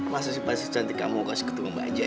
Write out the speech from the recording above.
masa sih pas cantik kamu kasih ketugang bajaj